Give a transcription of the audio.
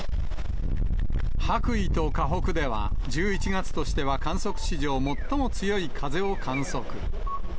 羽咋とかほくでは、１１月としては観測史上最も強い風を観測。